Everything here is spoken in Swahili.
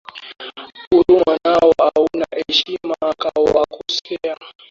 Huruma nao hauna, heshima kawakosea,